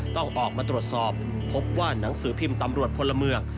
ต้องออกมาตรวจสอบพบว่าหนังสือพิมพ์ตำรวจพลเมือง